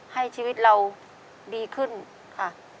ให้ชีวิตเราดีขึ้นค่ะ